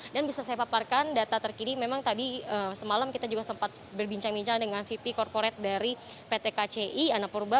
dan bisa saya paparkan data terkini memang tadi semalam kita juga sempat berbincang bincang dengan vp corporate dari pt kci anapurba